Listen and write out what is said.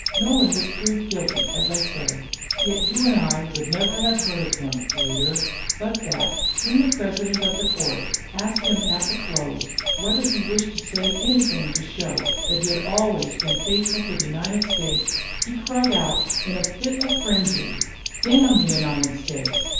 Nolan was proved guilty enough, as I say; yet you and I would never have heard of him, reader, but that, when the president of the court asked him at the close whether he wished to say anything to show that he had always been faithful to the United States, he cried out, in a fit of frenzy, "Damn the United States!